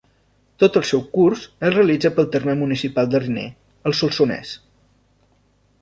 Tot el seu curs el realitza pel terme municipal de Riner, al Solsonès.